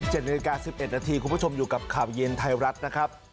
นาฬิกา๑๑นาทีคุณผู้ชมอยู่กับข่าวเย็นไทยรัฐนะครับ